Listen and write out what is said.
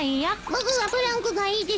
僕はブランコがいいです。